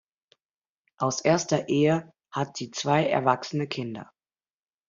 Aus erster Ehe hat sie zwei erwachsene Kinder.